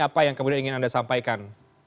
apa yang kemudian ingin anda sampaikan